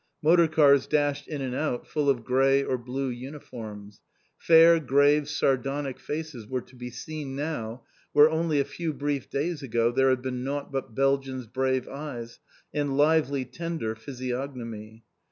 Motor cars dashed in and out full of grey or blue uniforms. Fair, grave, sardonic faces were to be seen now, where only a few brief days ago there had been naught but Belgians' brave eyes, and lively, tender physiognomy.